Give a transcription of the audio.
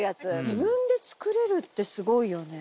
自分で作れるってすごいよね。